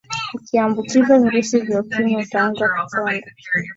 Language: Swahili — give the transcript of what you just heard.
ukiambukizwa virusi vya ukimwi utaanza kukonda